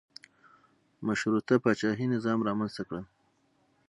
مشروطه پاچاهي نظام رامنځته کړل.